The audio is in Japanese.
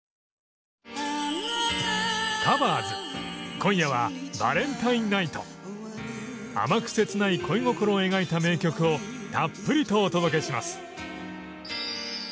今夜はあまく切ない恋心を描いた名曲をたっぷりとお届けします。